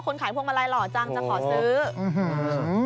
คนขายพวกมาลัยหล่อจังจะขอซื้อ